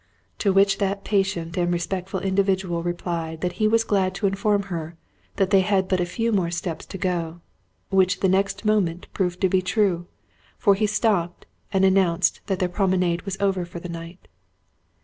To which that patient and respectful individual replied that he was glad to inform her they had but a few more steps to go, which the next moment proved to be true, for he stopped and announced that their promenade was over for the night.